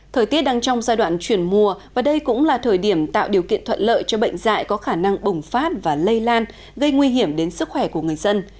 thời tiết đang trong giai đoạn chuyển mùa và đây cũng là thời điểm tạo điều kiện thuận lợi cho bệnh dạy có khả năng bùng phát và lây lan gây nguy hiểm đến sức khỏe của người dân